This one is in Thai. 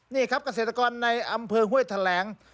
นี่ครับเกษตรกรในอำเภอห้วยแถลง